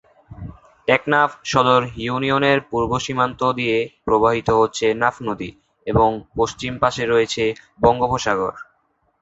টেকনাফ সদর ইউনিয়নের পূর্ব সীমান্ত দিয়ে প্রবাহিত হচ্ছে নাফ নদী এবং পশ্চিম পাশে রয়েছে বঙ্গোপসাগর।